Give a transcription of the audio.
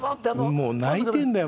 もう泣いてんだよ